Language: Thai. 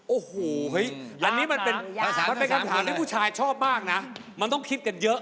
โอ้โหอันนี้มันเป็นคำถามที่ผู้ชายชอบมากนะมันต้องคิดกันเยอะ